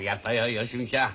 芳美ちゃん。